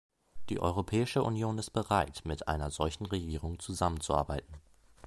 Die Europäische Union ist bereit, mit einer solchen Regierung zusammenzuarbeiten.